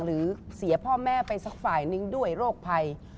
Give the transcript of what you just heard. หรือเสียพ่อแม่ไปสักฝ่ายนึงด้วยโรคภัย